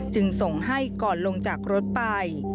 จึงส่งให้ก่อนลงจากรถไป